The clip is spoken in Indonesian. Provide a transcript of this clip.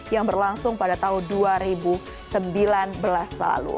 yang berlangsung pada tahun dua ribu sembilan belas lalu